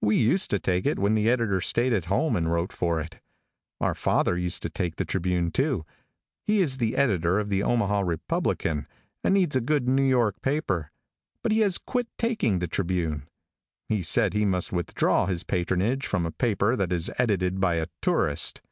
We used to take it when the editor stayed at home and wrote for it. Our father used to take the Tribune, too. He is the editor of the Omaha Republican, and needs a good New York paper, but he has quit taking the Tribune. He said he must withdraw his patronage from a paper that is edited by a tourist.